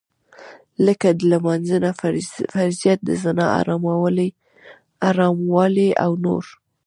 لکه د لمانځه فرضيت د زنا حراموالی او نور.